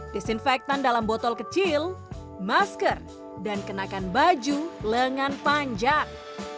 desinfektan dalam botol kecil masker dan kenakan baju lengan panjang